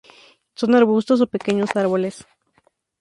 Son arbustos o pequeños árboles.